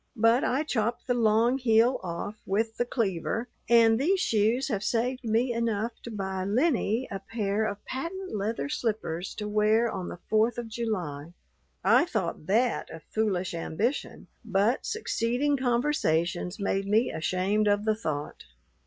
But I chopped the long heel off with the cleaver, and these shoes have saved me enough to buy Lennie a pair of patent leather slippers to wear on the Fourth of July." I thought that a foolish ambition, but succeeding conversations made me ashamed of the thought.